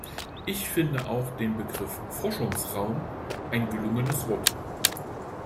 Ich finde auch den Begriff "Forschungsraum" ein gelungenes Wort.